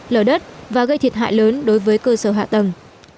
lở đất và gây thiệt hại lớn đối với cơ sở hạ tầng